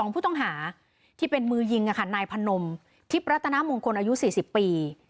ผู้ต้องหาที่เป็นมือยิงนายพนมทิพย์รัฐนามงคลอายุ๔๐ปี